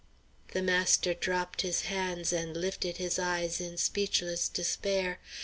The master dropped his hands and lifted his eyes in speechless despair.